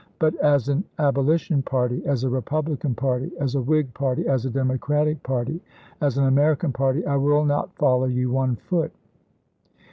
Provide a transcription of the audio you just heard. But as an Abolition party, as a Republican party, as a Whig party, as a Democratic party, as an American party I will not follow you one foot."